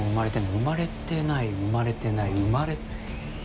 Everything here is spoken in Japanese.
生まれてない生まれてない生まれ。